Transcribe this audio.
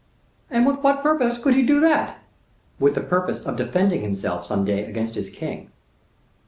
"And with what purpose could he do that?" "With the purpose of defending himself someday against his king."